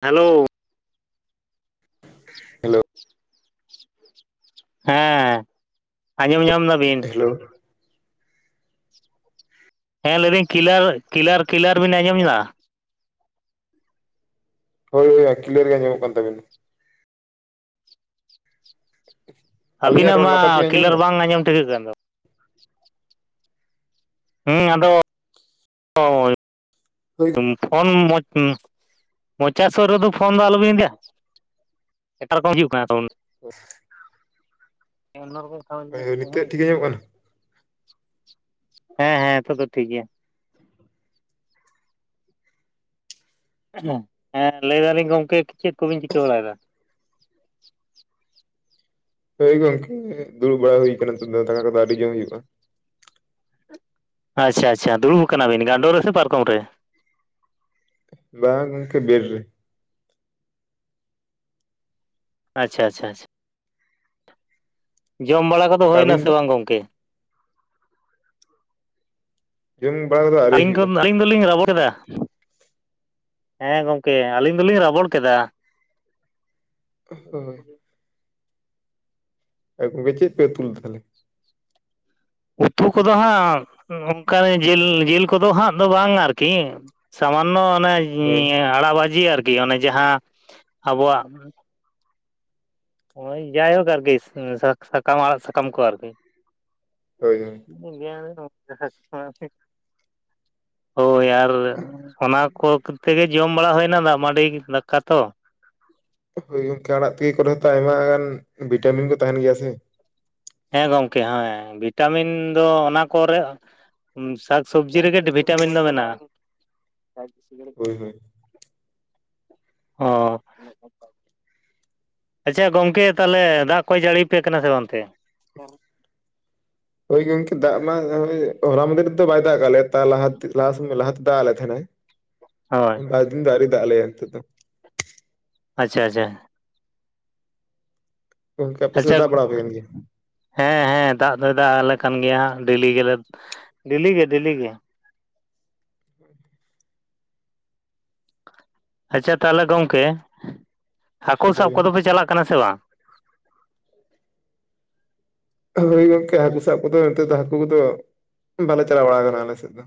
Hello hello [inaudible] ᱦᱮᱸ ᱟᱸᱡᱚᱢ ᱧᱟᱢ ᱫᱟᱵᱤᱱ? ᱦᱮᱞᱳ ᱦᱮᱸ ᱞᱟᱹᱭᱫᱟᱹᱧ ᱠᱤᱞᱟᱨ ᱠᱤᱞᱟᱨ ᱠᱤᱞᱟᱨ ᱵᱤᱱ ᱟᱸᱡᱚᱢ ᱫᱟ? ᱦᱳᱭ ᱦᱳᱭᱼᱟ ᱠᱞᱤᱭᱟᱨ ᱜᱮ ᱟᱡᱚᱢ ᱧᱟᱢᱚᱜ ᱠᱟᱱ ᱛᱟᱵᱤᱱᱟ᱾ [inaudible] ᱟᱵᱤᱱᱟᱜ ᱨᱚᱲ ᱢᱟ ᱱᱟᱯᱟᱭ ᱛᱮᱵᱤᱱ ᱟᱸᱡᱚᱢ ᱠᱤᱞᱟᱨ ᱮᱫᱟ ᱵᱟᱝ ᱟᱸᱡᱚᱢ ᱴᱷᱤᱠᱟᱹᱜ ᱠᱟᱱ ᱫᱚ᱾ ᱦᱮᱸ ᱟᱫᱚ [unintelligible] ᱦᱳᱭ ᱯᱷᱳᱱ ᱢᱚᱡᱽ ᱦᱩ ᱢᱚᱪᱟ ᱥᱩᱨ ᱨᱮᱫᱚ ᱯᱷᱳᱱ ᱫᱚ ᱟᱞᱚᱵᱤᱱ ᱤᱫᱤᱭᱟ ᱮᱴᱟᱜ ᱨᱚᱠᱚᱢ ᱦᱤᱡᱩᱜ ᱠᱟᱱᱟ ᱥᱟᱹᱣᱩᱱᱰ᱾ [inaudible] [unintelligible] ᱨᱚᱠᱚᱢ ᱦᱳᱭ ᱱᱤᱛᱚᱜ ᱴᱷᱤᱠ ᱠᱷ ᱟᱸᱡᱚᱢᱚᱜ ᱠᱟᱱᱟ ᱦᱮᱸ [unintelligible] ᱦᱮᱸ ᱦᱮᱸ ᱱᱮᱛᱚ ᱫᱚ ᱴᱷᱤᱠ ᱜᱮᱭᱟ᱾ ᱦᱮᱸ ᱞᱟᱹᱭ ᱫᱟᱞᱤᱧ ᱜᱚᱢᱠᱮ ᱪᱮᱫ ᱠᱚᱵᱤᱱ ᱪᱤᱠᱟᱹ ᱵᱟᱲᱟᱭ ᱫᱟ? ᱦᱳᱭ ᱜᱚᱝᱠᱮ ᱫᱩᱲᱩᱵ ᱵᱟᱲᱟ ᱦᱩᱭ ᱠᱟᱱᱟ ᱫᱟᱠᱟ ᱠᱚᱫᱚ ᱟᱹᱣᱨᱤ ᱡᱚᱢ ᱦᱩᱭᱩᱜᱼᱟ᱾ ᱟᱪᱪᱷᱟ ᱟᱪᱪᱷᱟ ᱫᱩᱲᱩᱵ ᱠᱟᱱᱟᱵᱤᱱ ᱜᱟᱸᱰᱳ ᱨᱮᱥᱮ ᱯᱟᱨᱠᱚᱢ ᱨᱮ? ᱵᱟᱝ ᱜᱚᱢᱠᱮ ᱵᱮᱲ ᱨᱮ᱾ ᱟᱪᱪᱷᱟ ᱟᱪᱪᱷᱟ᱾ ᱡᱚᱢ ᱵᱟᱲᱟ ᱠᱚᱫᱚ ᱦᱩᱭᱱᱟ ᱟᱹᱵᱤᱱ ᱥᱮ ᱫᱚ ᱵᱟᱝ ᱜᱚᱢᱠᱮ? ᱡᱚᱢ ᱵᱟᱲᱟ ᱠᱚᱫᱚ ᱟᱹᱣᱨᱤ ᱟᱹᱞᱤᱧ ᱦᱩᱭᱩᱜᱼᱟ ᱟᱹᱞᱤᱧ ᱫᱚᱞᱤᱧ ᱨᱟᱵᱚᱲ ᱠᱮᱫᱟ, ᱦᱮᱸ ᱜᱚᱢᱠᱮ ᱟᱹᱞᱤᱧ ᱫᱚᱞᱤᱧ ᱨᱟᱵᱚᱲ ᱠᱮᱫᱟ᱾ ᱦᱳᱭ᱾ ᱟᱯᱮ ᱯᱮ ᱪᱮᱫ ᱯᱮ ᱩᱛᱩ ᱞᱮᱫᱟ ᱛᱟᱦᱚᱞᱮ? ᱩᱛᱩ ᱠᱚᱫᱚ ᱦᱟᱸᱜ ᱚᱱᱠᱟ ᱨᱮ ᱡᱤᱞ ᱡᱤᱞ ᱠᱚᱫᱚ ᱦᱟᱸᱜ ᱫᱚ ᱵᱟᱝ ᱟᱨᱠᱤ᱾ ᱥᱟᱢᱟᱱᱱᱚ ᱚᱱᱮ ᱦᱳᱭ ᱟᱲᱟᱜ ᱵᱷᱟᱡᱤ ᱟᱨᱠᱤ ᱚᱱᱮ ᱡᱟᱦᱟᱸ ᱟᱵᱚᱣᱟᱜ ᱦᱳᱭ ᱡᱟᱭᱦᱳᱠ ᱟᱨᱠᱤ ᱥᱟ ᱥᱟᱠᱟᱢ ᱟᱲᱟᱜ ᱥᱟᱠᱟᱢ ᱠᱚ ᱟᱨᱠᱤ᱾ ᱦᱳᱭ ᱦᱳᱭ᱾ [unintelligible] ᱦᱳᱭ ᱟᱨ ᱚᱱᱟ ᱠᱚ ᱠᱚᱛᱮ ᱜᱮ ᱡᱚᱢ ᱵᱟᱲᱟ ᱦᱩᱭᱱᱟ ᱫᱟᱜ ᱢᱟᱹᱲᱤ ᱫᱟᱠᱟ ᱛᱚ᱾ ᱦᱳᱭ ᱚᱱᱠᱟ ᱟᱲᱟᱜ ᱛᱤᱠᱤ ᱠᱚᱨᱮ ᱦᱚᱸᱛᱚ ᱟᱭᱢᱟ ᱜᱟᱱ ᱵᱷᱤᱴᱟᱢᱤᱱ ᱫᱚ ᱛᱟᱦᱮᱱ ᱜᱮᱭᱟ ᱥᱮ᱾ ᱦᱮᱸ ᱜᱚᱝᱠᱮ ᱦᱮᱸ ᱵᱷᱤᱴᱟᱢᱤᱱ ᱫᱚ ᱚᱱᱟ ᱠᱚᱨᱮ ᱥᱟᱠ ᱥᱚᱵᱽᱡᱤ ᱨᱮᱜᱮ ᱵᱷᱤᱴᱟᱢᱤᱱ ᱫᱚ ᱢᱮᱱᱟᱜᱼᱟ᱾ ᱦᱳᱭ ᱦᱳᱭ ᱚ᱾ ᱟᱪᱪᱷᱟ ᱜᱚᱝᱠᱮ ᱛᱟᱞᱦᱮ ᱫᱟᱜ ᱠᱚᱭ ᱡᱟᱹᱲᱤ ᱯᱮ ᱠᱟᱱᱟ ᱥᱮᱵᱟᱝ ᱚᱱᱛᱮ? ᱦᱳᱭ ᱜᱚᱝᱠᱮ ᱫᱟᱜ ᱢᱟ [unintelligible] ᱦᱚᱞᱟ ᱢᱟᱫᱷᱮᱨ ᱫᱚ ᱵᱟᱭ ᱫᱟᱜ ᱠᱟᱜ ᱞᱮᱭᱟ ᱛᱟᱨ ᱞᱟᱦᱟ ᱞᱟᱦᱟ ᱥᱮᱱ ᱞᱟᱦᱟᱛᱮ ᱫᱟᱜ ᱟ ᱞᱮ ᱛᱟᱦᱮᱱᱟᱭ᱾ ᱦᱳᱭ᱾ ᱵᱟᱨ ᱫᱤᱱ ᱫᱚ ᱟᱣᱨᱤ ᱫᱟᱜ ᱟᱞᱮᱭᱟᱭ ᱱᱤᱛᱚᱜ ᱫᱚ᱾ ᱟᱪᱪᱷᱟ ᱟᱪᱪᱷᱟ᱾ ᱜᱚᱝᱠᱮ ᱟᱯᱮ ᱥᱮᱫ ᱟᱪᱷᱟ ᱫᱟᱜ ᱵᱟᱲᱟ ᱟᱯᱮ ᱠᱟᱱ ᱜᱮᱭᱟ ᱦᱮᱸ ᱦᱮᱸ ᱫᱟᱜ ᱫᱚᱭ ᱫᱟᱜ ᱟᱞᱮ ᱠᱟᱱ ᱜᱮᱭᱟ ᱰᱮᱞᱤ ᱜᱮᱞᱮ ᱰᱮᱞᱤ ᱜᱮ ᱰᱮᱞᱤ ᱜᱮ᱾ ᱟᱪᱪᱷᱟ ᱛᱟᱦᱞᱮ ᱜᱚᱝᱠᱮ ᱦᱟᱹᱠᱩ ᱦᱳᱭ ᱥᱟᱵ ᱞᱟᱹᱭ ᱵᱤᱱ ᱠᱚᱫᱚ ᱯᱮ ᱪᱟᱞᱟᱜ ᱠᱟᱱᱟ ᱥᱮ ᱵᱟᱝ? ᱦᱳᱭ ᱜᱚᱝᱠᱮ ᱦᱟᱹᱠᱩ ᱥᱟᱵ ᱠᱚᱫᱚ ᱱᱤᱛᱚᱜ ᱫᱚ ᱦᱟᱠᱩ ᱠᱚᱫᱚ ᱵᱟᱞᱮ ᱪᱟᱞᱟᱣ ᱵᱟᱲᱟᱣ ᱠᱟᱱᱟ ᱟᱞᱮ ᱥᱮᱫ ᱫᱚ᱾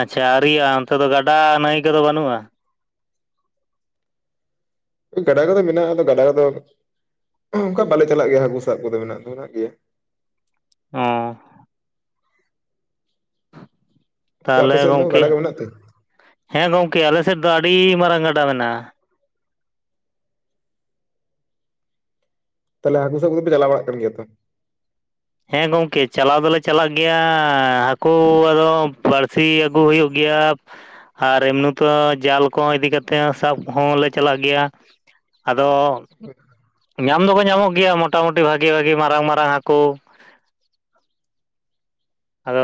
ᱟᱪᱪᱷᱟ ᱟᱨ ᱤᱭᱟᱹ ᱚᱱᱛᱮ ᱫᱚ ᱜᱟᱰᱟ ᱱᱟᱹᱭ ᱠᱚᱫᱚ ᱵᱟᱹᱱᱩᱜᱼᱟ? ᱜᱟᱰᱟ ᱠᱚᱫᱚ ᱢᱮᱱᱟᱜᱼᱟ ᱟᱫᱚ ᱜᱟᱰᱟ ᱠᱚᱫᱚ ᱚᱝᱠᱟ ᱵᱟᱞᱮ ᱪᱟᱞᱟᱜ ᱜᱮᱭᱟ ᱦᱟᱹᱠᱩ ᱥᱟᱵ ᱠᱚᱫᱚ ᱢᱮᱱᱟᱜ ᱫᱚ ᱢᱮᱱᱟᱜ ᱜᱮᱭᱟ᱾ ᱚᱸ᱾ ᱜᱚᱝᱠᱮ ᱟᱯᱮ ᱛᱟᱦᱞᱮ ᱥᱮᱫ ᱫᱚ ᱜᱚᱝᱠᱮ, ᱜᱟᱰᱟ ᱠᱚ ᱢᱮᱱᱟᱜ ᱛᱮ ᱦᱮᱸ ᱜᱚᱢᱠᱮ ᱟᱞᱮ ᱥᱮᱫ ᱫᱚ ᱟᱹᱰᱤ ᱢᱟᱨᱟᱝ ᱜᱟᱰᱟ ᱢᱮᱱᱟᱜᱼᱟ᱾ ᱛᱟᱞᱦᱮ ᱦᱟᱹᱠᱩ ᱥᱟᱵ ᱠᱚᱫᱚ ᱯᱮ ᱪᱟᱞᱟᱣ ᱵᱟᱲᱟᱜ ᱠᱟᱱ ᱜᱮᱭᱟ ᱛᱚ᱾ ᱦᱮᱸ ᱜᱚᱝᱠᱮ ᱪᱟᱞᱟᱣ ᱫᱚᱞᱮ ᱪᱟᱞᱟᱜ ᱜᱮᱭᱟ ᱦᱟᱹᱠᱩ ᱟᱫᱚ ᱵᱟᱹᱲᱥᱤ ᱟᱹᱜᱩ ᱦᱩᱭᱩᱜ ᱜᱮᱭᱟ ᱟᱨ ᱮᱢᱱᱤ ᱛᱮ ᱡᱟᱞ ᱠᱚ ᱤᱫᱤ ᱠᱟᱛᱮ ᱥᱟᱵ ᱦᱚᱸᱞᱮ ᱪᱟᱞᱟᱜ ᱜᱮᱭᱟ᱾ ᱟᱫᱚ ᱧᱟᱢ ᱫᱚᱠᱚ ᱧᱟᱢᱚᱜ ᱜᱮᱭᱟ ᱢᱚᱴᱟᱢᱩᱴᱤ ᱵᱷᱟᱜᱤ ᱵᱷᱟᱜᱤ ᱢᱟᱨᱟᱝ ᱢᱟᱨᱟᱝ ᱦᱟᱹᱠᱩ᱾ ᱟᱫᱚ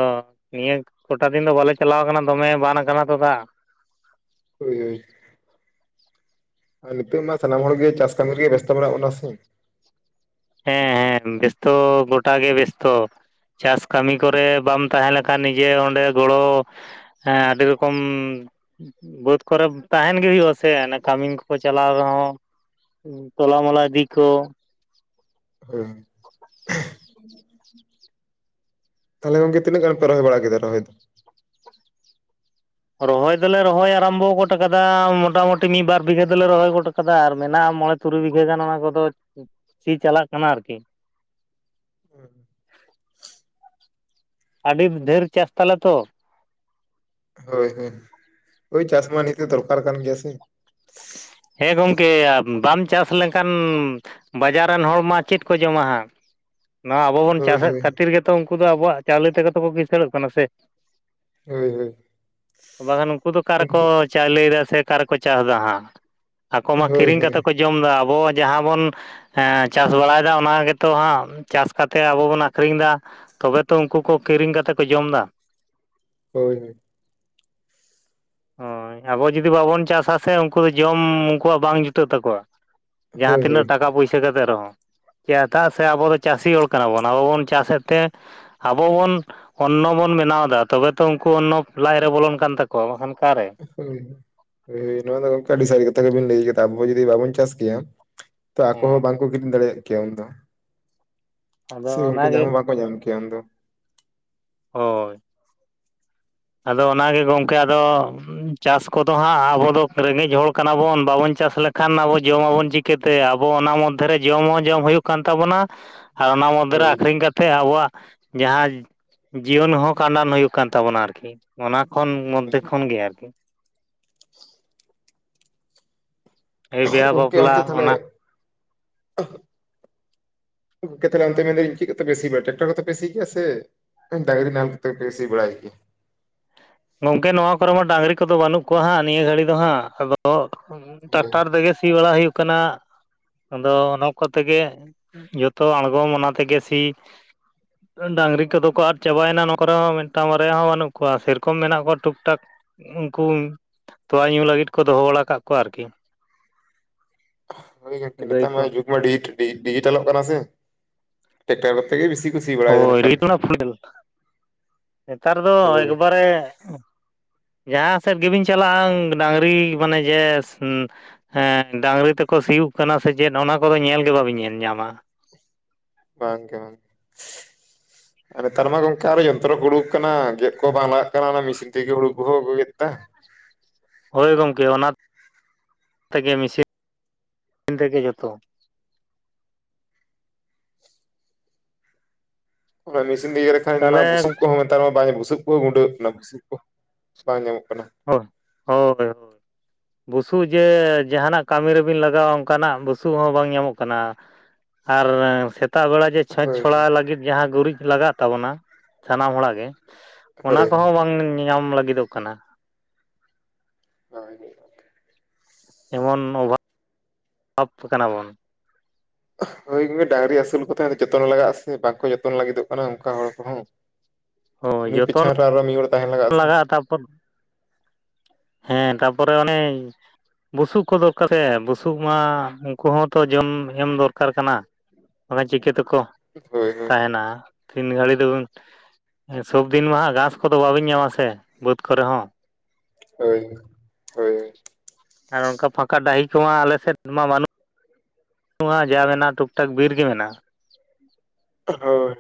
ᱱᱤᱭᱟᱹ ᱠᱚᱴᱟ ᱫᱤᱱ ᱫᱚ ᱵᱟᱞᱮ ᱪᱟᱞᱟᱣ ᱠᱟᱱᱟ ᱫᱚᱢᱮ ᱵᱟᱱ ᱠᱟᱱᱟ ᱛᱚ ᱫᱟᱜ᱾ ᱦᱳᱭ ᱦᱳᱭ, ᱱᱤᱛᱚᱜ ᱢᱟ ᱥᱟᱱᱟᱢ ᱦᱚᱲᱜᱮ ᱪᱟᱥ ᱠᱟᱹᱢᱤ ᱨᱮᱜᱮ ᱵᱮᱥᱛᱚ ᱢᱮᱱᱟᱜ ᱵᱚᱱᱟ ᱥᱮ᱾ ᱦᱮᱸ ᱦᱮᱸ ᱵᱮᱥᱛᱚ ᱜᱚᱴᱟ ᱜᱮ ᱵᱮᱥᱛᱚ᱾ ᱪᱟᱥ ᱠᱟᱹᱢᱤ ᱠᱚᱨᱮ ᱵᱟᱢ ᱛᱟᱦᱮᱸ ᱞᱮᱠᱷᱟᱱ ᱱᱤᱡᱮ ᱚᱸᱰᱮ ᱜᱚᱲᱚ ᱦᱮᱸ ᱟᱹᱰᱤ ᱨᱚᱠᱚᱢᱼᱼ ᱵᱟᱹᱫᱽ ᱠᱚᱨᱮ ᱛᱟᱦᱮᱱ ᱜᱮ ᱦᱩᱭᱩᱜᱼᱟ ᱥᱮ ᱚᱱᱟ ᱠᱟᱹᱢᱤᱱ ᱠᱚᱠᱚ ᱪᱟᱞᱟᱣ ᱨᱮᱦᱚᱸ ᱛᱚᱞᱟ ᱢᱚᱞᱟ ᱤᱫᱤ ᱠᱚ ᱦᱩᱸ [unintelligible] ᱛᱟᱦᱞᱮ ᱜᱚᱝᱠᱮ ᱛᱤᱱᱟᱹᱜ ᱜᱟᱱ ᱯᱮ ᱨᱚᱭ ᱵᱟᱲᱟ ᱠᱮᱫᱟ ᱨᱚᱦᱚᱭ ᱫᱚ ᱨᱚᱦᱚᱭ ᱫᱚᱞᱮ ᱨᱚᱦᱚᱭ ᱟᱨᱟᱢᱵᱚ ᱜᱚᱫ ᱠᱟᱫᱟ ᱢᱚᱴᱟᱢᱩᱴᱤ ᱢᱤᱫ ᱵᱟᱨ ᱵᱤᱜᱷᱟᱹ ᱫᱚᱞᱮ ᱨᱚᱦᱚᱭ ᱜᱚ ᱠᱟᱫᱟ ᱟᱨ ᱢᱮᱱᱟᱜᱼᱟ ᱢᱚᱸᱬᱮ ᱛᱩᱨᱩᱭ ᱵᱤᱜᱷᱟᱹ ᱜᱟᱱ ᱚᱱᱟ ᱠᱚᱫᱚ ᱥᱤ ᱪᱟᱞᱟᱜ ᱠᱟᱱᱟ ᱟᱨᱠᱤ ᱚᱸ ᱟᱹᱰᱤ ᱰᱷᱮᱨ ᱪᱟᱥ ᱛᱟᱞᱮ ᱛᱚ ᱦᱳᱭ ᱦᱳᱭ ᱦᱳᱭ ᱪᱟᱥᱢᱟ ᱱᱤᱛᱚᱜ ᱫᱚᱨᱠᱟᱨ ᱠᱟᱱ ᱜᱮᱭᱟ ᱥᱮ ᱦᱮᱸ ᱜᱚᱢᱠᱮ ᱵᱟᱢ ᱪᱟᱥ ᱞᱮᱱᱠᱷᱟᱱ ᱵᱟᱡᱟᱨ ᱨᱮᱱ ᱦᱚᱲᱢᱟ ᱪᱮᱫ ᱠᱚ ᱡᱚᱢᱟ ᱦᱟᱸᱜ ᱱᱚᱣᱟ ᱟᱵᱚ ᱵᱚᱱ ᱦᱳᱭ ᱪᱟᱥᱮᱫ ᱦᱳᱭ ᱠᱷᱟᱹᱛᱤᱨ ᱜᱮᱛᱚ ᱩᱱᱠᱩ ᱫᱚ ᱟᱵᱚᱣᱟᱜ ᱪᱟᱣᱞᱮ ᱛᱮᱜᱮ ᱛᱚᱠᱚ ᱠᱤᱸᱥᱟᱬᱚᱜ ᱠᱟᱱᱟ ᱥᱮ ᱦᱳᱭ ᱦᱳᱭ ᱵᱟᱠᱷᱟᱱ ᱩᱱᱠᱩ ᱫᱚ ᱚᱠᱟ ᱨᱮᱠᱚ ᱩᱱᱠᱩ ᱪᱟᱣᱞᱮᱭ ᱫᱟ ᱥᱮ ᱚᱠᱟ ᱨᱮᱠᱚ ᱪᱟᱥᱫᱟ ᱦᱟᱸᱜ ᱟᱠᱚ ᱢᱟ ᱦᱳᱭ ᱠᱤᱨᱤᱧ ᱦᱳᱭ ᱠᱟᱛᱮ ᱠᱚ ᱡᱚᱢᱫᱟ ᱟᱵᱚ ᱡᱟᱦᱟᱸ ᱵᱚᱱᱼᱼ ᱦᱮᱸ ᱪᱟᱥ ᱵᱟᱲᱟᱭᱫᱟ ᱚᱱᱟ ᱜᱮᱛᱚ ᱦᱟᱸᱜ ᱪᱟᱥ ᱠᱟᱛᱮᱫ ᱟᱵᱚ ᱵᱚᱱ ᱟᱠᱷᱨᱤᱧ ᱫᱟ ᱛᱚᱵᱮ ᱛᱚ ᱩᱝᱠᱩ ᱠᱚ ᱠᱤᱨᱤᱧ ᱠᱟᱛᱮ ᱠᱚ ᱡᱚᱢᱫᱟ ᱦᱳᱭ ᱦᱳᱭ ᱟᱵᱚ ᱡᱩᱫᱤ ᱵᱟᱵᱚᱱ ᱪᱟᱥᱼᱟ ᱥᱮ ᱩᱱᱠᱩ ᱫᱚ ᱡᱚᱢ ᱩᱱᱠᱩᱣᱟᱜ ᱵᱟᱝ ᱡᱩᱴᱟᱹᱜ ᱛᱟᱠᱚᱣᱟ ᱡᱟᱦᱟᱸ ᱦᱳᱭ ᱛᱤᱱᱟᱹᱜ ᱦᱳᱭ ᱴᱟᱠᱟ ᱯᱩᱭᱥᱟᱹ ᱠᱟᱛᱮ ᱨᱮᱦᱚᱸ ᱪᱮᱫᱟᱜ ᱥᱮ ᱟᱵᱚ ᱫᱚ ᱪᱟᱹᱥᱤ ᱦᱚᱲ ᱠᱟᱱᱟ ᱵᱚᱱ ᱟᱵᱚ ᱵᱚᱱ ᱪᱟᱥᱮᱫ ᱛᱮ ᱟᱵᱚ ᱵᱚᱱ ᱚᱱᱱᱚ ᱵᱚᱱ ᱵᱮᱱᱟᱣ ᱮᱫᱟ ᱛᱚᱵᱮ ᱛᱚ ᱩᱱᱠᱩ ᱚᱱᱱᱚ ᱞᱟᱭ ᱨᱮ ᱵᱚᱞᱚᱱ ᱠᱟᱱ ᱛᱟᱠᱚᱣᱟ ᱵᱟᱝᱠᱷᱟᱱ ᱚᱠᱟᱨᱮ ᱱᱚᱣᱟ ᱫᱚ ᱜᱚᱢᱠᱮ ᱟᱹᱰᱤ ᱥᱟᱹᱨᱤ ᱠᱟᱛᱷᱟ ᱜᱮᱵᱤᱱ ᱞᱟᱹᱭ ᱠᱮᱫᱟ ᱟᱵᱚ ᱡᱩᱫᱤ ᱵᱟᱵᱚᱱ ᱪᱟᱥ ᱠᱮᱭᱟ᱾ ᱛᱚ ᱟᱠᱚ ᱦᱚᱸ ᱦᱮᱸ ᱵᱟᱝ ᱠᱚ ᱠᱤᱨᱤᱧ ᱫᱟᱲᱮᱭᱟᱜ ᱠᱮᱭᱟ ᱩᱱᱫᱚ ᱟᱫᱚ ᱥᱮ ᱜᱚᱢᱠᱮ ᱧᱟᱢ ᱚᱱᱟᱜᱮ ᱦᱚᱸ ᱵᱟᱠᱚ ᱧᱟᱢ ᱠᱮᱭᱟ ᱩᱱ ᱫᱚ ᱦᱳᱭ ᱟᱫᱚ ᱚᱱᱟᱜᱮ ᱜᱚᱢᱠᱮ ᱟᱫᱚ ᱪᱟᱥ ᱠᱚᱫᱚ ᱦᱟᱸᱜ ᱟᱵᱚ ᱫᱚ ᱨᱮᱸᱜᱮᱡ ᱦᱚᱲ ᱠᱟᱱᱟᱵᱚᱱ ᱵᱟᱵᱚᱱ ᱪᱟᱥ ᱞᱮᱠᱷᱟᱱ ᱟᱵᱚ ᱡᱚᱢᱟᱵᱚᱱ ᱪᱤ [unintelligible] ᱟᱵᱚ ᱚᱱᱟ ᱢᱚᱫᱷᱮᱨᱮ ᱡᱚᱢ ᱦᱚᱸ ᱡᱚᱢ ᱦᱩᱭᱩᱜ ᱠᱟᱱ ᱛᱟᱵᱚᱱᱟ᱾ ᱚᱱᱟ ᱢᱚᱫᱽᱫᱷᱮᱨᱮ ᱦᱳᱭ ᱟᱠᱷᱨᱤᱧ ᱠᱟᱛᱮᱫ ᱟᱵᱚᱣᱟᱜ ᱡᱟᱦᱟᱸ ᱡᱤᱭᱚᱱ ᱦᱚᱸ ᱠᱷᱟᱸᱰᱟᱱ ᱦᱩᱭᱩᱜ ᱠᱟᱱ ᱛᱟᱵᱚᱱᱟ ᱟᱨᱠᱤ ᱟᱨᱠᱤ ᱚᱱᱟ ᱠᱷᱚᱱ ᱦᱳᱭ ᱢᱚᱫᱽᱫᱷᱮ ᱠᱷᱚᱱ ᱜᱮ ᱟᱨᱠᱤ ᱮᱭ ᱵᱤᱦᱟ ᱜᱚᱢᱠᱮ ᱵᱟᱯᱞᱟ ᱚᱱᱛᱮ ᱛᱟᱦᱚᱞᱮ ᱚᱱᱟ ᱜᱚᱢᱠᱮ ᱛᱟᱦᱞᱮ ᱚᱱᱛᱮ ᱢᱮᱱᱫᱟᱹᱧ ᱪᱮᱫ ᱠᱚᱛᱮ ᱯᱮ ᱥᱤ ᱵᱟᱲᱟᱭ ᱮᱫᱟ ᱴᱮᱠᱴᱚᱨ ᱠᱚᱛᱮ ᱯᱮ ᱥᱤ ᱜᱮᱭᱟ ᱥᱮ ᱰᱟᱝᱨᱤ ᱱᱟᱦᱮᱞ ᱠᱚᱛᱮ ᱯᱮ ᱥᱤ ᱵᱟᱲᱟᱭ [unintelligible] ᱜᱚᱝᱠᱮ ᱱᱚᱣᱟ ᱠᱚᱨᱮ ᱢᱟ ᱰᱟᱝᱨᱤ ᱠᱚᱫᱚ ᱵᱟᱹᱱᱩᱜ ᱠᱚᱣᱟ ᱦᱟᱸᱜ ᱱᱤᱭᱟᱹ ᱜᱷᱟᱹᱲᱤᱡ ᱫᱚ ᱦᱟᱸᱜ ᱟᱫᱚ ᱛᱚ ᱦᱳᱭ ᱴᱟᱠᱴᱟᱨ ᱛᱮᱜᱮ ᱥᱤ ᱵᱟᱲᱟ ᱦᱩᱭᱩᱜ ᱠᱟᱱᱟ ᱟᱫᱚ ᱚᱱᱟ ᱠᱚ ᱛᱮᱜᱮ ᱡᱚᱛᱚ ᱟᱬᱜᱚᱢ ᱚᱱᱟ ᱛᱮᱜᱮ ᱥᱤ ᱰᱟᱹᱝᱨᱤ ᱠᱚᱫᱚ ᱠᱚ ᱟᱫ ᱪᱟᱵᱟᱭᱮᱱᱟ ᱱᱚ ᱠᱚᱨᱮ ᱦᱚᱸ ᱢᱤᱫᱴᱟᱝ ᱵᱟᱨᱭᱟ ᱦᱚᱸ ᱵᱟᱹᱱᱩᱜ ᱠᱚᱣᱟ ᱥᱮᱨᱯ ᱠᱚ ᱢᱮᱱᱟᱜ ᱠᱚᱣᱟ ᱴᱩᱠ ᱴᱟᱠ ᱩᱱᱠᱩ ᱛᱳᱣᱟ ᱧᱩ ᱞᱟᱹᱜᱤᱫ ᱠᱚ ᱫᱚᱦᱚ ᱵᱟᱲᱟ ᱟᱠᱟᱫ ᱠᱚᱣᱟ ᱟᱨᱠᱤ [inaudible] ᱦᱳᱭ ᱜᱚᱢᱠᱮ ᱱᱮᱛᱟᱨ ᱜᱟᱹᱭ ᱢᱟ ᱠᱚ ᱡᱩᱜᱽ ᱢᱟ [unintelligible] ᱰᱤᱡᱤᱴᱟᱞᱚᱜ ᱠᱟᱱᱟ ᱥᱮ ᱴᱟᱠᱴᱟᱨ ᱛᱮ ᱜᱮ ᱵᱤᱥᱤ ᱠᱩ ᱥᱤ ᱵᱟᱲᱟᱭᱮᱫᱟ ᱱᱮᱛᱟᱨ ᱦᱳᱭ ᱫᱚ [unintelligible] ᱱᱮᱛᱟᱨ ᱫᱚ ᱮᱠ ᱦᱳᱭ ᱵᱟᱨᱮ ᱡᱟᱦᱟᱸ ᱥᱮᱫ ᱜᱮᱵᱤᱱ ᱪᱟᱞᱟᱜᱼᱟ ᱰᱟᱝᱨᱤ ᱢᱟᱱᱮ ᱡᱮ ᱦᱮᱸ ᱰᱟᱝᱨᱤ ᱛᱮᱠᱚ ᱥᱤᱭᱳᱜ ᱠᱟᱱᱟ ᱥᱮ ᱪᱮᱫ ᱚᱱᱟ ᱠᱚᱫᱚ ᱧᱮᱞ ᱜᱮ ᱵᱟᱵᱚᱱ ᱧᱮᱞ ᱧᱟᱢᱟ᱾ ᱵᱟᱝ ᱜᱮ [inaudible] ᱱᱮᱛᱟᱨ ᱢᱟ ᱜᱚᱝᱠᱮ ᱟᱨᱚ ᱡᱚᱱᱛᱨᱚ ᱠᱚ ᱩᱰᱩᱠ ᱠᱟᱱᱟ ᱜᱮᱫ ᱠᱚ ᱵᱟᱝ ᱞᱟᱜᱟᱜ ᱠᱟᱱᱟ ᱢᱮᱥᱤᱱ ᱛᱮᱜᱮ ᱦᱩᱲᱩ ᱠᱚᱦᱚᱸ ᱠᱚ ᱜᱮᱫ ᱮᱫᱟ᱾ ᱦᱳᱭ ᱜᱚᱢᱠᱮ ᱚᱱᱟ [unintelligible] ᱛᱮᱜᱮ ᱢᱤᱥᱤᱱ ᱛᱮᱜᱮ ᱡᱚᱛᱚ ᱚᱱᱟ ᱢᱮᱥᱤᱱ ᱨᱮ ᱤᱭᱟᱹ ᱞᱮᱠᱷᱟᱱ ᱛᱟᱦᱚᱞᱮ ᱢᱟ ᱵᱩᱥᱩᱵ ᱠᱚᱦᱚᱸᱼᱼ ᱱᱮᱛᱟᱨ ᱢᱟ ᱵᱟᱝ ᱵᱩᱥᱩᱵ ᱠᱚ ᱜᱩᱸᱰᱟᱹᱜ ᱠᱟᱱᱟ, ᱵᱩᱥᱩᱵ ᱠᱚ ᱵᱟᱝ ᱧᱟᱢᱚᱜ ᱠᱟᱱᱟ᱾ ᱦᱳᱭ, ᱦᱳᱭ-ᱦᱳᱭ ᱾ ᱵᱩᱥᱩᱵ ᱡᱮ ᱡᱟᱦᱟᱱᱟᱜ ᱠᱟᱹᱢᱤ ᱨᱮᱵᱤᱱ ᱞᱟᱜᱟᱣᱟ ᱚᱱᱠᱟᱱᱟᱜ ᱵᱩᱥᱩᱵ ᱦᱚᱸ ᱵᱟᱝ ᱧᱟᱢᱚᱜ ᱠᱟᱱᱟ᱾ ᱟᱨ ᱥᱮᱛᱟᱜ ᱵᱮᱲᱟ ᱡᱮ ᱪᱷᱚᱸᱪ ᱦᱳᱭ ᱪᱷᱚᱲᱟᱣ ᱞᱟᱹᱜᱤᱫᱼᱼ ᱡᱟᱦᱟᱸ ᱜᱩᱨᱤᱡᱽ ᱞᱟᱜᱟᱜ ᱛᱟᱵᱚᱱᱟ, ᱥᱟᱱᱟᱢ ᱦᱚᱲᱟᱜ ᱜᱮ ᱚᱱᱟ ᱦᱳᱭ ᱦᱳᱭ ᱠᱚᱦᱚᱸ ᱵᱟᱝ ᱧᱟᱢ ᱞᱟᱹᱜᱤᱫᱚᱜ ᱠᱟᱱᱟ᱾ ᱠᱟᱱᱟ᱾ ᱱᱚᱣᱟᱜᱤ᱾ ᱮᱢᱚᱱ ᱚᱵᱷᱟᱵᱽ, ᱚᱷᱟᱵᱽ ᱠᱟᱱᱟ ᱵᱚᱱ᱾ ᱦᱳᱭ ᱜᱚᱝᱠᱮ ᱰᱟᱝᱨᱤ ᱟᱹᱥᱩᱞ ᱠᱚ ᱛᱟᱦᱮᱸ ᱫᱚ ᱡᱚᱛᱚᱱ ᱞᱟᱜᱟᱜᱼᱟ ᱥᱮ ᱵᱟᱝᱠᱚ ᱡᱚᱛᱚᱱ ᱞᱟᱹᱜᱤᱫᱚᱜ ᱠᱟᱱᱟ ᱚᱱᱠᱟ ᱦᱚᱲ ᱠᱚᱦᱚᱸ᱾ ᱦᱳᱭ ᱩᱱᱤ ᱯᱤᱪᱷᱟ. ᱨᱮ ᱟᱨᱚ ᱢᱤᱫ ᱦᱚᱲ ᱛᱟᱦᱮᱱ ᱞᱟᱜᱟᱜᱼᱟ ᱥᱮ᱾ ᱛᱚᱼᱼ ᱦᱮᱸ ᱛᱟᱨᱯᱚᱨᱮ ᱚᱱᱮᱼᱼ ᱵᱩᱥᱩᱵ ᱠᱚ ᱫᱚ ᱚᱠᱟᱨᱮ ᱵᱩᱥᱩᱵ ᱢᱟ, ᱩᱱᱠᱩ ᱦᱚᱸᱛᱚ ᱡᱚᱢ ᱮᱢ ᱫᱚᱨᱠᱟᱨ ᱠᱟᱱᱟ᱾ ᱚᱱᱟ ᱪᱤᱠᱟᱹ ᱛᱮᱠᱚ ᱦᱳᱭ ᱦᱳᱭ ᱛᱟᱦᱮᱱᱟ᱾ ᱛᱤᱱ ᱜᱷᱟᱹᱲᱤ ᱫᱚ ᱥᱚᱵᱽᱫᱤᱱ ᱢᱟᱦᱟᱜ ᱜᱷᱟᱸᱥ ᱠᱚᱫᱚ ᱵᱟᱵᱤᱱ ᱧᱟᱢᱟ ᱥᱮ ᱵᱟᱹᱫᱽ ᱠᱚᱨᱮ ᱦᱚᱸ᱾ ᱦᱳᱭ᱾ ᱦᱳᱭ ᱟᱨ ᱚᱱᱠᱟ ᱯᱷᱟᱸᱠᱟ ᱰᱟᱹᱦᱤ ᱠᱚᱢᱟ ᱟᱞᱮ ᱥᱮᱫ ᱢᱟ ᱵᱟᱹᱱᱩᱜ᱾ ᱱᱚᱣᱟ ᱡᱟ ᱢᱮᱱᱟᱜᱼᱟ ᱴᱩᱠ ᱴᱟᱠ ᱵᱤᱨ ᱜᱮ ᱢᱮᱱᱟᱜᱼᱟ᱾ ᱦᱳᱭ᱾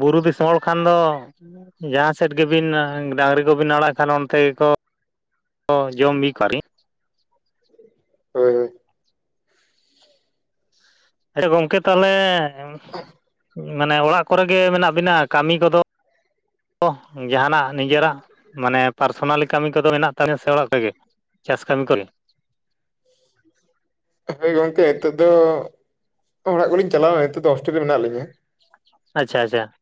ᱵᱩᱨᱩ ᱫᱤᱥᱚᱢ ᱦᱚᱲ ᱠᱷᱟᱱ ᱫᱚ ᱼᱼ ᱡᱟᱦᱟᱸ ᱥᱮᱫ ᱜᱮᱵᱤᱱ ᱰᱟᱹᱝᱨᱤ ᱠᱚᱵᱤᱱ ᱟᱲᱟᱜ ᱠᱷᱟᱱ ᱚᱱᱛᱮ ᱜᱮᱠᱚ ᱼᱼ ᱚ ᱡᱚᱢ ᱵᱤ ᱠᱚ ᱟᱨᱤᱼᱼ ᱦᱳᱭ᱾ ᱟᱪᱷᱟ ᱜᱚᱢᱠᱮ ᱛᱟᱦᱚᱞᱮ, ᱢᱟᱱᱮ ᱚᱲᱟᱜ ᱠᱚᱨᱮ ᱜᱮ ᱢᱮᱱᱟᱜ ᱵᱤᱱᱟ ᱠᱟᱹᱢᱤ ᱠᱚᱫᱚᱼᱼ ᱡᱟᱦᱟᱱᱟᱜ ᱱᱤᱡᱮᱨᱟᱜ ᱢᱟᱱᱮ ᱯᱟᱨᱥᱚᱱᱟᱞᱤ ᱼᱼ ᱠᱟᱹᱢᱤ ᱠᱚᱫᱚ ᱢᱮᱱᱟᱜ ᱛᱟᱞᱮᱭᱟ ᱥᱮ ᱚᱲᱟᱜ ᱨᱮᱜᱮ ᱪᱟᱥ ᱠᱟᱹᱢᱤ ᱠᱚᱨᱮ ᱾ [inaudible] ᱦᱚᱭ ᱜᱚᱝᱠᱮ ᱱᱤᱛᱚᱜ ᱫᱚ, ᱚᱲᱟᱜ ᱠᱚᱞᱤᱧ ᱪᱟᱞᱟᱣᱼᱟ ᱱᱤᱛᱚᱜ ᱫᱚ ᱦᱳᱥᱴᱮᱞ ᱨᱮ ᱢᱮᱱᱟᱜ ᱞᱤᱧᱟᱹ। ᱟᱪᱷᱟ-ᱟᱪᱷᱟ᱾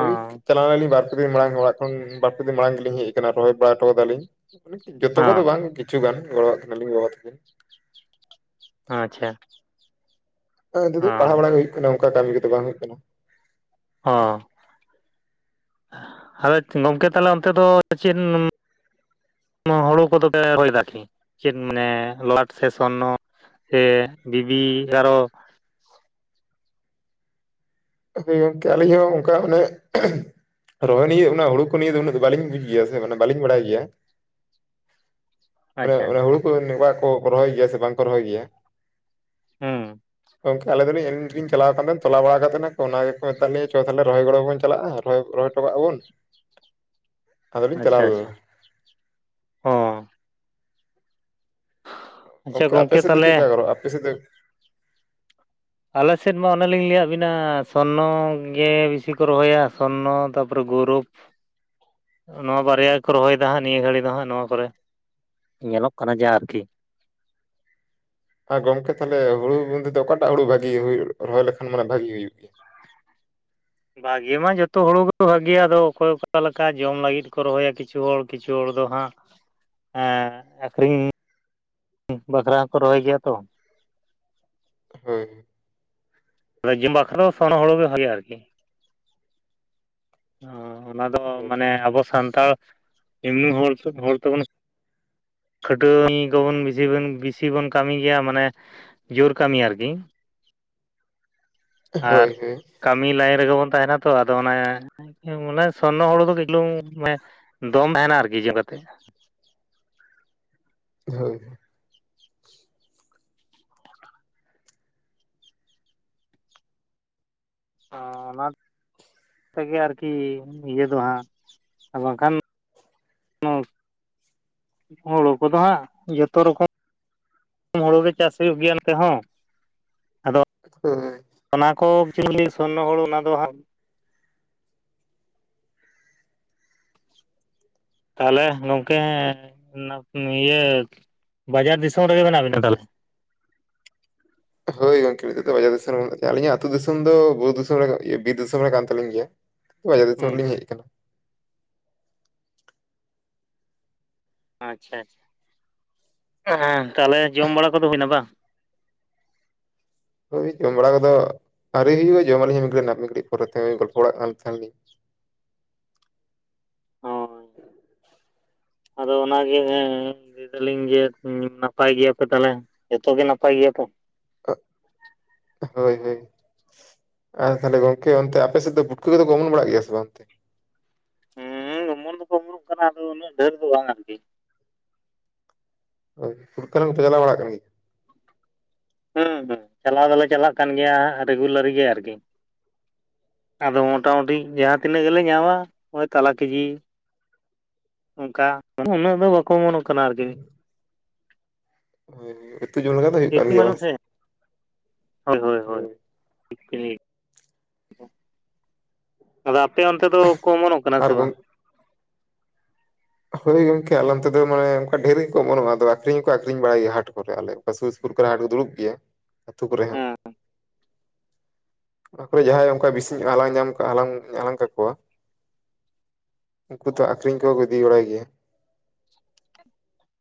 ᱦᱳᱭ ᱪᱟᱞᱟᱣ ᱞᱮᱱᱟᱞᱤᱧ ᱵᱟᱨ ᱯᱮ ᱫᱤᱱ ᱢᱟᱲᱟᱝ ᱚᱲᱟᱜ ᱠᱷᱚᱱ ᱵᱟᱨᱯᱮ ᱫᱤᱱ ᱢᱟᱲᱟᱝ ᱜᱮᱞᱤᱧ ᱦᱮᱡ ᱟᱠᱟᱱᱟ᱾ ᱨᱚᱦᱚᱭ ᱵᱟᱲᱟ ᱦᱚᱴᱚ ᱠᱟᱫᱟᱞᱤᱧ। ᱡᱚᱛᱚ ᱚ ᱠᱚᱫᱚ ᱵᱟᱝ ᱠᱤᱪᱷᱩᱜᱟᱱ ᱜᱚᱲᱚᱣᱟᱜ ᱠᱤᱱᱟᱞᱤᱧ ᱜᱚᱜᱚ ᱛᱟᱹᱠᱤᱱ। ᱟᱪᱷᱟ᱾ ᱟᱨ ᱡᱩᱫᱤ ᱯᱟᱲᱦᱟᱣ ᱵᱟᱲᱟ ᱜᱮ ᱦᱩᱭᱩᱜ ᱠᱟᱱᱟ ᱚᱱᱠᱟ ᱠᱟᱹᱢᱤ ᱠᱚᱫᱚ ᱵᱟᱝ ᱦᱩᱭᱩᱜ ᱠᱟᱱᱟ। ᱦᱚᱸ᱾ ᱟᱫᱚ ᱜᱚᱝᱠᱮ ᱛᱟᱦᱚᱞᱮ ᱚᱱᱛᱮ ᱫᱚ ᱪᱮᱫ ᱼᱼ ᱱᱚᱣᱟ ᱦᱩᱲᱩ ᱠᱚᱫᱚ ᱯᱮ ᱨᱚᱦᱚᱭ ᱮᱫᱟᱠᱤ? ᱪᱮᱫ ᱢᱟᱱᱮ ᱞᱟᱴ ᱥᱮ ᱥᱚᱨᱱᱚ ᱥᱮ ᱵᱤᱵᱤ ᱟᱨᱚᱼᱼ ᱦᱳᱭ ᱜᱚᱝᱠᱮ ᱟᱹᱞᱤᱧ ᱦᱚᱸ ᱚᱱᱠᱟ ᱚᱱᱮᱼᱼ ᱨᱚᱦᱚᱭ ᱱᱤᱭᱟ. ᱚᱱᱟ ᱦᱩᱲᱩ ᱠᱚ ᱱᱤᱭᱟ. ᱫᱚ ᱩᱱᱟᱹ ᱫᱚ ᱵᱟᱹᱞᱤᱧ ᱵᱩᱡᱽ ᱜᱮᱭᱟ ᱥᱮ ᱢᱟᱱᱮ ᱵᱟᱹᱞᱤᱧ ᱵᱟᱲᱟᱭ ᱜᱮᱭᱟ। [inaudible] ᱢᱟᱱᱮ ᱟᱪᱪᱷᱟ ᱚᱱᱟ ᱦᱩᱲᱩ ᱠᱚᱫᱚ ᱚᱝᱠᱟ ᱠᱚ ᱨᱚᱦᱚᱭ ᱜᱮᱭᱟ ᱥᱮ ᱵᱟᱝᱠᱚ ᱨᱚᱦᱚᱭ ᱜᱮᱭᱟ᱾ ᱦᱩᱸ᱾ ᱜᱚᱝᱠᱮ ᱟᱞᱤ ᱫᱚᱱᱤ ᱮᱱᱜᱞᱤᱧ ᱪᱟᱞᱟᱣ ᱠᱟᱱ ᱛᱟᱦᱮᱱ ᱛᱚᱞᱟ ᱵᱟᱲᱟ ᱠᱟᱛᱮᱱᱟᱼᱼ ᱛᱚ ᱚᱱᱟ ᱜᱮᱠᱚ ᱢᱮᱛᱟᱜ ᱞᱤᱧᱟᱹ ᱪᱚ ᱛᱟᱦᱚᱞᱮ ᱨᱚᱦᱚᱭ ᱜᱚᱲᱚ ᱵᱚᱱ ᱪᱟᱞᱟᱜᱼᱟ ᱨᱚ ᱨᱚᱦᱚᱭ ᱦᱚᱴᱚ ᱠᱟᱜ ᱟ ᱵᱚᱱ᱾ ᱟᱫᱚᱞᱤᱧ ᱪᱟᱞᱟᱣ ᱞᱮᱱᱟ ᱟᱪᱷᱟ-ᱟᱪᱷᱟ ᱦᱚᱸ᱾ ᱟᱪᱪᱷᱟ ᱜᱚᱝᱠᱮ ᱟᱯᱮ ᱥᱮᱫ ᱫᱚ ᱪᱮᱞᱮᱠᱟ ᱛᱟᱦᱚᱞᱮ ᱜᱟᱱᱚᱜᱼᱟ ᱟᱯᱮ ᱥᱮᱫᱼᱼ ᱟᱞᱮ ᱥᱮᱫ ᱢᱟ ᱚᱱᱮᱞᱤᱤᱧ ᱞᱟᱹᱭᱟᱫ ᱵᱤᱱᱟ ᱥᱚᱨᱱᱚ ᱜᱮ ᱵᱤᱥᱤ ᱠᱚ ᱨᱚᱦᱚᱭᱟ ᱥᱚᱨᱱᱚ ᱛᱟᱨᱯᱚᱨᱮ ᱜᱚᱨᱩᱯ। ᱱᱚᱣᱟ ᱵᱟᱨᱭᱟ ᱜᱮ ᱠᱚ ᱨᱚᱦᱚᱭᱮᱫᱟ ᱦᱟᱸᱜ ᱱᱤᱭᱟᱹ ᱜᱷᱟᱹᱲᱤᱡ ᱫᱚ ᱦᱟᱸᱜ ᱱᱚᱣᱟ ᱠᱚᱨᱮ। ᱧᱮᱞᱚᱜ ᱠᱟᱱᱟ ᱡᱮ ᱟᱨᱠᱤ। ᱟᱨ ᱜᱚᱝᱠᱮ ᱛᱟᱦᱚᱞᱮ ᱦᱩᱲᱩ ᱵᱚᱞᱛᱮ ᱫᱚ ᱚᱠᱟᱴᱟᱜ ᱦᱩᱲᱩ ᱵᱷᱟᱹᱜᱤ ᱦᱩᱭᱩᱜ ᱨᱚᱦᱚᱭ ᱞᱮᱠᱷᱟᱱ ᱢᱟᱱᱮ ᱵᱷᱟᱜᱤ ᱦᱩᱭᱩᱜ ᱜᱮᱭᱟ? ᱵᱷᱟᱜᱮ ᱢᱟ ᱡᱚᱛᱚ ᱦᱩᱲᱩ ᱜᱮ ᱵᱷᱟᱜᱮᱭᱟ, ᱟᱫᱚ ᱚᱠᱚᱭ ᱚᱠᱟ ᱞᱮᱠᱟ ᱡᱚᱢ ᱞᱟᱹᱜᱤᱫ ᱠᱚ ᱨᱚᱦᱚᱭᱟ ᱠᱤᱪᱷᱩ ᱦᱚᱲ ᱾ ᱠᱤᱪᱷᱩ ᱦᱚᱲ ᱫᱚ ᱦᱟᱸᱜ ᱮᱸ ᱟᱹᱠᱷᱨᱤᱧ ᱼᱼ ᱵᱟᱠᱷᱨᱟ ᱦᱚᱸᱠᱚ ᱨᱚᱦᱚᱭ ᱜᱮᱭᱟ ᱛᱚ। ᱦᱳᱭ ᱾ ᱟ [unintelligible] ᱡᱤᱢ [unintelligible] ᱵᱟᱠᱷᱨᱟ ᱫᱚ ᱥᱳᱱᱰᱚ [unintelligible] ᱦᱩᱲᱩ ᱜᱮ ᱵᱷᱟᱜᱮᱭᱟ ᱟᱨᱠᱤ। ᱚᱻ ᱚᱱᱟ ᱫᱚ ᱦᱳᱭ ᱢᱟᱱᱮ ᱟᱵᱚ ᱥᱟᱱᱛᱟᱲ ᱮᱢᱱᱤ ᱦᱚᱲ ᱦᱚᱲ ᱛᱮᱵᱚᱱ ᱼᱼ ᱠᱷᱟᱹᱴᱣᱟᱹᱱᱤ ᱠᱚᱵᱚᱱ ᱵᱮᱥᱤ ᱵᱮᱱ, ᱵᱮᱥᱤ ᱵᱚᱱ ᱠᱟᱹᱢᱤ ᱜᱮᱭᱟ, ᱢᱟᱱᱮ ᱼᱼ ᱡᱳᱨ ᱠᱟᱹᱢᱤ ᱟᱨᱠᱤ। ᱟᱨ ᱦᱳᱭ ᱦᱳᱭ ᱠᱟᱹᱢᱤ ᱞᱟᱭᱤᱱ ᱨᱮᱜᱮ ᱵᱚᱱ ᱛᱟᱦᱮᱱᱟ ᱛᱚ ᱟᱫᱚ ᱚᱱᱮ ᱢᱟᱱᱮ ᱥᱚᱨᱱᱚ ᱦᱩᱲᱩ ᱫᱚ ᱠᱟᱹᱡ ᱪᱩᱞᱩᱝ ᱢᱟᱱᱮ ᱫᱚᱢ ᱛᱟᱦᱮᱱᱟ ᱟᱨᱠᱤ [unintelligible] ᱠᱟᱛᱮ। ᱦᱳᱭ ᱾ ᱦᱚᱸᱻ ᱚᱱᱟ ᱛᱮᱜᱮ ᱟᱨᱠᱤ ᱤᱭᱟᱹ ᱫᱚ ᱦᱟᱸᱜ, ᱟᱨ ᱵᱟᱝᱠᱷᱟᱱ ᱼᱼ ᱦᱩᱲᱩ ᱠᱚᱫᱚ ᱦᱟᱸᱜ ᱡᱷᱚᱛᱚ ᱨᱚᱠᱚᱢ ᱼᱼ ᱦᱩᱲᱩ ᱜᱮ ᱪᱟᱥ ᱦᱩᱭᱩᱜ ᱜᱮᱭᱟ ᱱᱚᱛᱮ ᱦᱚᱸ ᱟᱫᱚ ᱼᱼ ᱦᱳᱭ ᱾ ᱚᱱᱟ ᱠᱚ ᱪᱩᱞᱤ [unintelligible] ᱥᱚᱨᱱᱚ ᱦᱩᱲᱩ ᱚᱱᱟ ᱫᱚ ᱦᱟᱸᱜ ᱼᱼ ᱛᱟᱦᱟᱞᱮ ᱜᱚᱝᱠᱮ [unintelligible] ᱤᱭᱟᱹ ᱵᱟᱡᱟᱨ ᱫᱤᱥᱚᱢ ᱨᱮᱜᱮ ᱢᱮᱱᱟᱜ ᱵᱮᱱᱟ ᱛᱟᱦᱟᱞᱮ? ᱦᱳᱭ ᱜᱚᱝᱠᱮ ᱱᱤᱛᱚᱜ ᱫᱚ ᱵᱟᱡᱟᱨ ᱫᱤᱥᱚᱢ ᱨᱮ ᱢᱮᱱᱟᱜᱤᱧᱟ᱾ ᱟᱹᱞᱤᱧᱟᱜ ᱟᱹᱛᱩ ᱫᱤᱥᱚᱢ ᱫᱚ ᱵᱩᱨᱩ ᱫᱤᱥᱚᱢ ᱨᱮ ᱵᱤᱨ ᱫᱤᱥᱚᱢ ᱨᱮ ᱠᱟᱱ ᱛᱟᱹᱞᱤᱧ ᱜᱮᱭᱟ। ᱵᱟᱡᱟᱨ ᱫᱤᱥᱚᱢ ᱨᱮ ᱦᱩᱸ ᱞᱤᱧ ᱦᱮᱡ ᱠᱟᱱᱟ᱾ ᱟᱪᱪᱷᱟ ᱟᱪᱪᱷᱟ ᱦᱮᱸ ᱛᱟᱦᱚᱞᱮ ᱡᱚᱢ ᱵᱟᱲᱟ ᱠᱚᱫᱚ ᱦᱩᱭᱱᱟ ᱵᱟᱝ? ᱳᱭ ᱡᱚᱢ ᱵᱟᱲᱟ ᱠᱚᱫᱚ ᱟᱹᱣᱨᱤ ᱦᱩᱭᱩᱜᱼᱟ ᱡᱚᱢᱟᱞᱤᱧ ᱢᱤᱫᱜᱤᱡ ᱱᱟᱜ ᱢᱤᱫᱜᱷᱟᱲᱤ ᱯᱚᱨᱮ ᱛᱮ ᱳᱭ ᱜᱚᱞᱯᱚ ᱵᱟᱲᱟᱜ ᱠᱟᱱ ᱛᱟᱦᱮᱱᱟ ᱞᱤᱧ ᱾ ᱦᱳᱭ ᱾ ᱟᱫᱚ ᱚᱱᱟ ᱜᱮᱻ ᱞᱟᱹᱭ ᱫᱟᱞᱤᱧ ᱡᱮ ᱱᱟᱯᱟᱭ ᱜᱮᱭᱟ ᱯᱮ ᱛᱟᱦᱚᱞᱮ ᱡᱚᱛᱚ ᱜᱮ ᱱᱟᱯᱟᱭ ᱜᱮᱭᱟ ᱯᱮ? [unintelligible] ᱦᱳᱭ ᱦᱳᱭ ᱾ ᱟᱨ ᱛᱟᱦᱞᱮ ᱜᱚᱝᱠᱮ ᱚᱱᱛᱮ ᱟᱯᱮ ᱥᱮᱫ ᱫᱚ ᱯᱩᱴᱠᱟᱹ ᱠᱚᱫᱚ ᱠᱚ ᱚᱢᱚᱱ ᱵᱟᱲᱟᱜ ᱜᱮᱭᱟ ᱥᱮ ᱵᱟᱝ ᱚᱱᱛᱮ? ᱦᱩᱸ ᱚᱢᱚᱱ ᱫᱚᱠᱚ ᱚᱢᱚᱱᱚᱜ ᱠᱟᱱᱟ ᱟᱫᱚ ᱩᱱᱟᱹᱜ ᱰᱷᱮᱨ ᱫᱚ ᱵᱟᱝ ᱟᱨᱠᱤ ᱾ ᱦᱳᱭ ᱯᱩᱴᱠᱟᱹ ᱦᱟᱞᱟᱝ ᱠᱚᱯᱮ ᱪᱟᱞᱟᱣ ᱵᱟᱲᱟᱜ ᱠᱟᱱ ᱜᱮᱭᱟ? ᱦᱩᱸ ᱦᱩᱸ ᱪᱟᱞᱟᱣ ᱫᱚᱞᱮ ᱪᱟᱞᱟᱜ ᱠᱟᱱ ᱜᱮᱭᱟ ᱦᱟᱸᱜ ᱨᱮᱜᱩᱞᱟᱨᱤ ᱜᱮ ᱟᱨᱠᱤ ᱾ ᱟᱫᱚ ᱢᱳᱴᱟᱢᱩᱴᱤ ᱡᱟᱦᱟᱸ ᱛᱤᱱᱟᱹᱜ ᱜᱮᱞᱮ ᱧᱟᱢᱟ ᱦᱚᱜᱼᱚᱭ ᱛᱟᱞᱟ ᱠᱮᱡᱤ, ᱚᱝᱠᱟ ᱩᱱᱟᱹᱜ ᱫᱚ ᱵᱟᱠ ᱠᱚ ᱚᱢᱚᱱᱚᱜ ᱠᱟᱱᱟ ᱟᱨᱠᱤ ᱾ ᱦᱳᱭ ᱦᱳᱭ ᱩᱛᱩ ᱡᱚᱢ ᱞᱮᱠᱟ ᱫᱚ ᱦᱩᱭᱩᱜ ᱠᱟᱱ ᱥᱤᱛᱩᱝ ᱜᱮᱭᱟ ᱵᱟᱹᱱᱩᱜ ᱵᱟᱝ? ᱥᱮ ᱦᱳᱭ ᱦᱳᱭ ᱦᱳᱭ ᱾ [unintelligible] ᱟᱫᱚ ᱟᱯᱮ ᱚᱱᱛᱮ ᱫᱚ ᱠᱚ ᱚᱢᱚᱱᱚᱜ ᱠᱟᱱᱟ ᱥᱮ ᱟᱨ ᱜᱚᱝ ᱵᱟᱝ? ᱦᱳᱭ ᱜᱚᱝᱠᱮ ᱟᱞᱮ ᱚᱱᱛᱮ ᱫᱚ ᱢᱟᱱᱮ ᱚᱝᱠᱟ ᱰᱷᱮᱨ ᱜᱮᱠᱚ ᱚᱢᱚᱱᱚᱜᱼᱟ ᱟᱫᱚ ᱟᱠᱷᱨᱤᱧ ᱦᱚᱸᱠᱚ ᱟᱠᱷᱨᱤᱧ ᱵᱟᱲᱟᱭ ᱜᱮᱭᱟ ᱦᱟᱴ ᱠᱚᱨᱮᱜ ᱾ ᱟᱞᱮ ᱥᱩᱨ ᱥᱩᱯᱩᱨ ᱠᱚᱨᱮ ᱦᱟᱴ ᱠᱚ ᱫᱩᱲᱩᱵ ᱜᱮᱭᱟ ᱟᱹᱛᱩ ᱠᱚᱨᱮᱜ ᱦᱚᱸ ᱦᱮᱸ ᱾ ᱚᱱᱟ ᱠᱚᱨᱮ ᱡᱟᱦᱟᱸᱭ ᱚᱝᱠᱟ ᱵᱮᱥᱤ ᱧᱚᱜ ᱮ ᱦᱟᱞᱟᱝ ᱧᱟᱢ ᱠᱟᱜᱼᱟ ᱦᱟᱞᱟᱝ ᱦᱟᱞᱟᱝ ᱠᱟᱠᱚᱣᱟ ᱩᱝᱠᱩ ᱛᱚ ᱟᱠᱷᱨᱤᱧ ᱠᱚᱦᱚ ᱠᱚ ᱤᱫᱤ ᱵᱟᱲᱟᱭ ᱜᱮᱭᱟ ᱾ [inaudible]